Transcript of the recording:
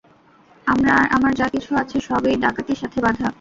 আমার যা কিছু আছে সব এই ডাকাতির সাথে বাঁধা।